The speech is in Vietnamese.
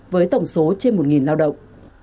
với tổng số trên một lao động